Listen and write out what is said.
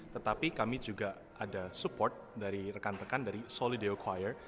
tetapi kami juga ada support dari rekan rekan dari solideo choir